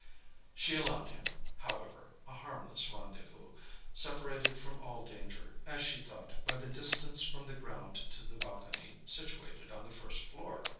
She allowed him, however, a harmless rendezvous, separated from all danger, as she thought, by the distance from the ground to the balcony, situated on the first floor.